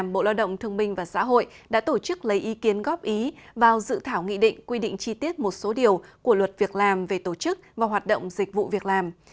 bộ lao động thương minh và xã hội đã tổ chức lấy ý kiến góp ý vào dự thảo nghị định quy định chi tiết một số điều của luật việc làm về tổ chức và hoạt động dịch vụ việc làm